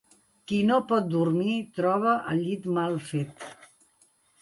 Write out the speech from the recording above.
Qui no pot dormir troba el llit mal fet.